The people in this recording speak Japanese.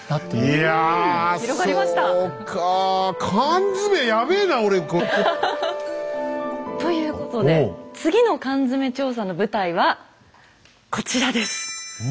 缶詰やべえな！ということで次の缶詰調査の舞台はこちらです。